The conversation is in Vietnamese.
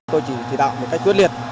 tôi chỉ chỉ đạo một cách quyết liệt